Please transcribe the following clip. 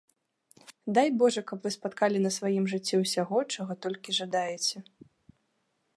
Дай божа, каб вы спаткалі на сваім жыцці ўсяго, чаго толькі жадаеце!